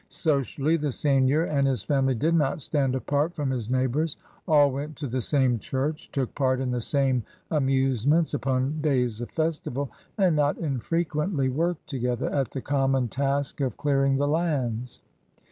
Socially, the seigneur and his family did not stand apart from his neighbors. All went to the same church, took part in the same amusements upon days of festival, and not infre quently worked together at the common task of HOW THE PEOPLE LIVED 207 clearing the lands.